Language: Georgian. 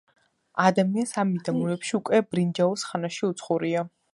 ადამიანს ამ მიდამოებში უკვე ბრინჯაოს ხანაში უცხოვრია.